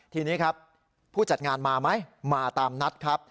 ทีนี้ครับผู้จัดงานมาไหมมาตามนัดครับ